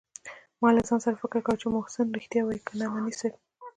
ما له ځان سره فکر کاوه چې محسن رښتيا وايي که نعماني صاحب.